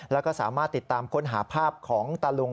แล้วก็สามารถติดตามค้นหาภาพของตะลุง